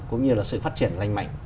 cũng như là sự phát triển lành mạnh